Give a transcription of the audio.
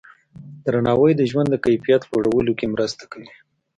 درناوی د ژوند د کیفیت لوړولو کې مرسته کوي.